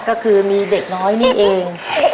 ก็คือมีเด็กน้อยนี่เอง